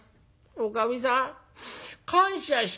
おかみさん感謝してます。